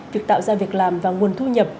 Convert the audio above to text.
việc tạo ra việc làm và nguồn thu nhập